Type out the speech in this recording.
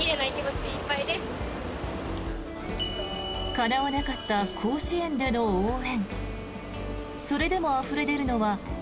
かなわなかった甲子園での応援。